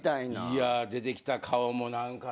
いや出てきた顔も何かね。